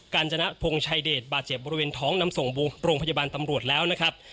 การจนพงชายเดชบาดเจ็บบริเวณท้องนำส่งโรงพยาบาลตำรวจแล้วนะครับ